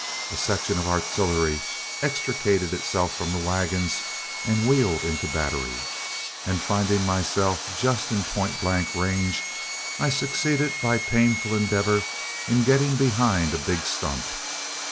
A section of artillery extricated itself from the wagons, and wheeled into battery; and, finding myself just in point blank range, I succeeded by painful endeavor in getting behind a big stump.